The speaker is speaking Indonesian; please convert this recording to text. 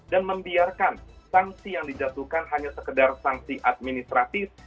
dan membiarkan sanksi yang dijatuhkan hanya sekedar sanksi administratif